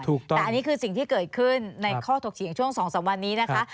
แต่อันนี้คือสิ่งที่เกิดขึ้นในข้อถกเถียงช่วง๒๓วันนี้นะคะ